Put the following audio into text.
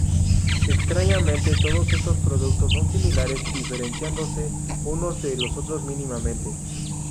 Extrañamente todos estos productos son similares, diferenciándose unos de otros mínimamente.